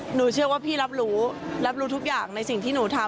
หนูเชื่อว่าพี่รับรู้รับรู้ทุกอย่างในสิ่งที่หนูทำ